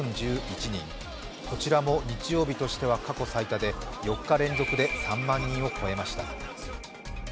こちらも日曜日として過去最多で４日連続で３万人を超えました。